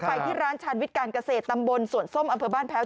ไปที่ร้านชาญวิทย์การเกษตรตำบลสวนส้มอำเภอบ้านแพ้ว